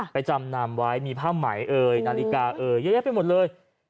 จำนำไว้มีผ้าไหมเอ่ยนาฬิกาเอ่ยเยอะแยะไปหมดเลย